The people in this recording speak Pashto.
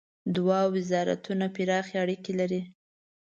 دوه وزارتونه پراخ اړیکي لري.